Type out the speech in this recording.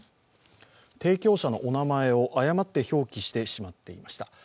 提供者のお名前を誤って表記してしまっていました。